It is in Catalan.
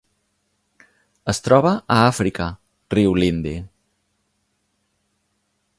Es troba a Àfrica: riu Lindi.